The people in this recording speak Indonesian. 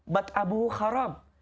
mbak abu haram